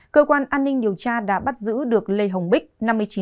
cơ quan an ninh điều tra đã bắt giữ được lê hồng bích